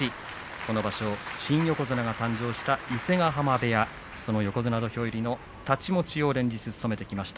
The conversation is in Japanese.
この場所、新横綱が誕生した伊勢ヶ濱部屋横綱土俵入りの太刀持ちを連日務めました。